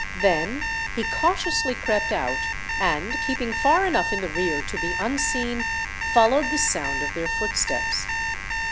Then he cautiously crept out, and, keeping far enough in the rear to be unseen, followed the sound of their footsteps.